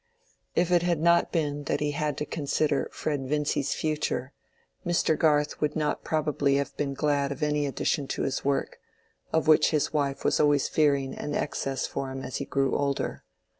If it had not been that he had to consider Fred Vincy's future, Mr. Garth would not probably have been glad of any addition to his work, of which his wife was always fearing an excess for him as he grew older.